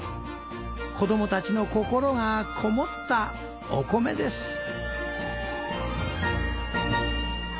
子供たちの心がこもったお米です。